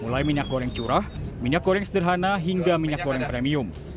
mulai minyak goreng curah minyak goreng sederhana hingga minyak goreng premium